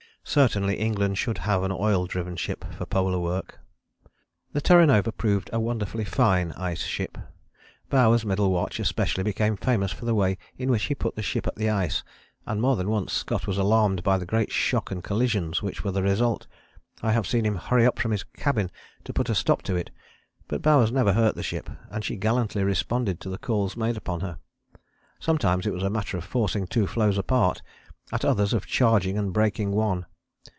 " Certainly England should have an oil driven ship for polar work. The Terra Nova proved a wonderfully fine ice ship. Bowers' middle watch especially became famous for the way in which he put the ship at the ice, and more than once Scott was alarmed by the great shock and collisions which were the result: I have seen him hurry up from his cabin to put a stop to it! But Bowers never hurt the ship, and she gallantly responded to the calls made upon her. Sometimes it was a matter of forcing two floes apart, at others of charging and breaking one.